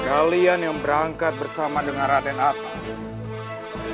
kalian yang berangkat bersama dengan raden atta